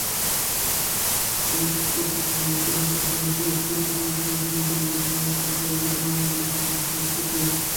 দায়িত্বপূর্ণ আচার-আচরণ এবং পরস্পরের প্রতি সহনশীলতার মাধ্যমে প্রসার ঘটাবে গণতান্ত্রিক সংস্কৃতির।